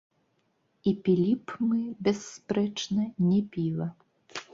І пілі б мы, бясспрэчна, не піва.